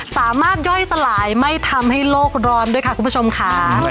ย่อยสลายไม่ทำให้โลกร้อนด้วยค่ะคุณผู้ชมค่ะ